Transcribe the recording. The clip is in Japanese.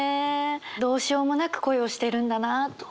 どうしようもなく恋をしてるんだなっていう。